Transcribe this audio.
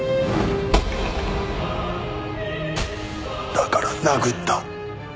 だから殴った。